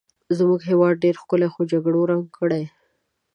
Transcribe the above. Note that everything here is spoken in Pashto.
زمونږ وطن ډېر ښکلی خو جګړو ړنګ کړی